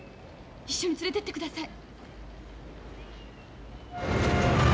一緒に連れてってください！